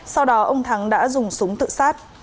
sau đó ông thắng đã dùng súng tự sát